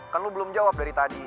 kan lo belum jawab dari tadi